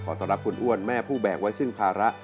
ทรรักคุณอ้วนแม่ผู้แบกไว้ซึ่งภาระ